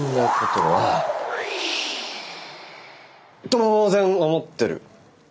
当然思ってる。